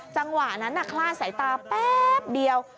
จังหวะนั้นคลาดสายตาแป๊บเดียว